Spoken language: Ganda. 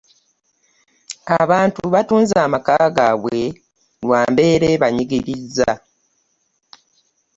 Abantu batunze amaaka gaabwe lwa mbeera ebanyigiriza.